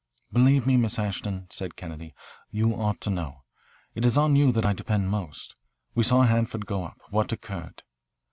"Believe me, Miss Ashton," said Kennedy, "you ought to know. It is on you that I depend most. We saw Hanford go up. What occurred?"